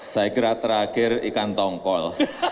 saya kira terakhir ikan tongkol